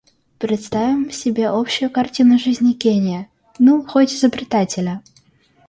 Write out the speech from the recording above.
Представим себе общую картину жизни гения, ну, хоть изобретателя.